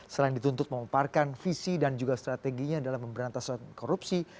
selain dituntut memaparkan visi dan juga strateginya dalam pemberantasan korupsi